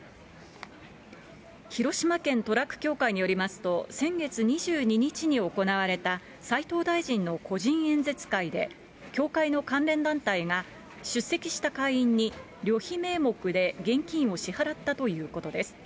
広島県トラック協会によりますと、先月２２日に行われた斉藤大臣の個人演説会で、協会の関連団体が、出席した会員に、旅費名目で現金を支払ったということです。